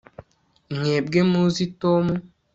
mwebwe muzi tom